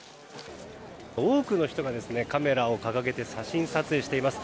多くの人がカメラを掲げて写真撮影しています。